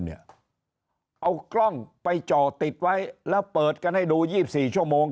เอากล้องไปจ่อติดไว้แล้วเปิดกันให้ดู๒๔ชั่วโมง